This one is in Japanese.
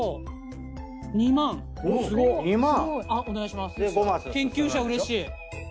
２万⁉研究者うれしい。